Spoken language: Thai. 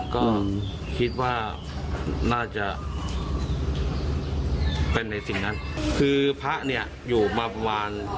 ก็คิดว่าน่าจะเป็นในสิ่งนั้นคือพระเนี่ยอยู่มาประมาณ